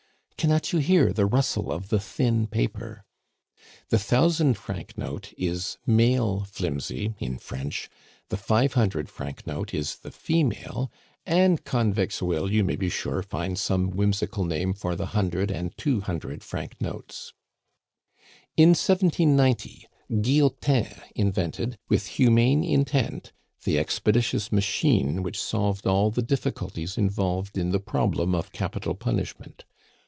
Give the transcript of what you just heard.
Cannot you hear the rustle of the thin paper? The thousand franc note is male flimsy (in French), the five hundred franc note is the female; and convicts will, you may be sure, find some whimsical name for the hundred and two hundred franc notes. In 1790 Guillotin invented, with humane intent, the expeditious machine which solved all the difficulties involved in the problem of capital punishment.